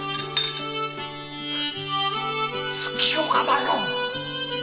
月岡だよ。